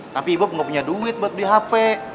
tapi ibuk gak punya duit buat beli hp